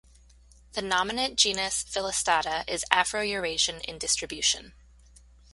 The nominate genus "Filistata" is Afro-Eurasian in distribution.